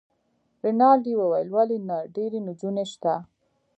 رینالډي وویل: ولي نه، ډیرې نجونې شته.